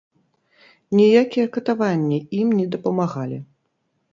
Ніякія катаванні ім не дапамагалі.